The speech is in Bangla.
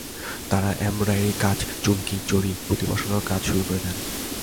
তাঁরা এমব্রয়ডারির কাজ, চুমকি, জড়ি, পুঁতি বসানোর কাজ শুরু করে দেন।